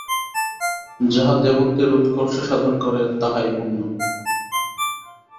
যাহা দেবত্বের উৎকর্ষ সাধন করে, তাহাই পুণ্য।